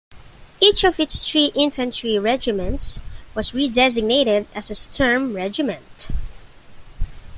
Each of its three infantry regiments was redesignated as a "Sturm-Regiment".